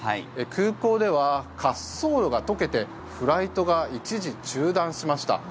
空港では滑走路が溶けてフライトが一時中断しました。